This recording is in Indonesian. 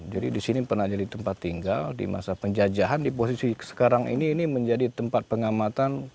jadi di sini pernah jadi tempat tinggal di masa penjajahan di posisi sekarang ini ini menjadi tempat pengamatan kapal musuh yang masuk ke sini